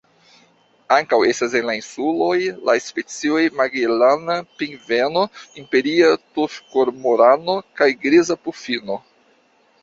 Ankaŭ estas en la insuloj la specioj Magelana pingveno, Imperia tufkormorano kaj Griza pufino.